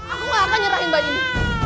aku gak akan nyerahin bayi ini